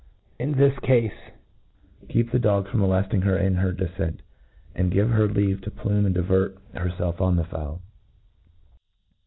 In this cafe, keep the dogs from molcftinglier inher dc fcent ; and give her leave to plume and divert hcxfelf on the fowl.